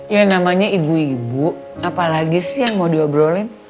ya namanya ibu ibu apalagi sih yang mau diobrolin